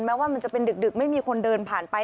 ว่ามันจะเป็นดึกไม่มีคนเดินผ่านไป